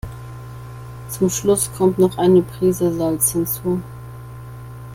Zum Schluss kommt noch eine Prise Salz hinzu.